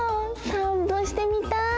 さんぽしてみたい！